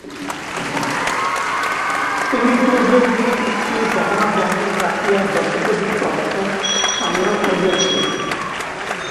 তিনি পূর্বেই নিজ স্ত্রীর গহনা বন্ধক রাখিয়া যথোপযুক্ত অর্থসংগ্রহ করিয়াছিলেন।